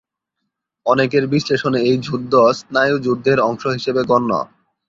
অনেকের বিশ্লেষণে এই যুদ্ধ স্নায়ুযুদ্ধের অংশ হিসেবে গণ্য।